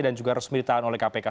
dan juga resmi ditahan oleh kpk